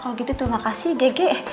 kalau gitu terima kasih gege